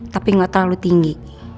tapi gak terlalu tinggi